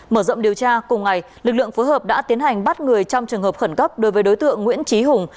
mở rộng điều tra cùng ngày lực lượng phối hợp đã tiến hành bắt người trong trường hợp khẩn cấp đối với đối tượng nguyễn trí hùng